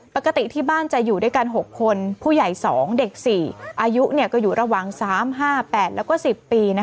ปกติที่บ้านจะอยู่ด้วยกัน๖คนผู้ใหญ่๒อายุ๔นี่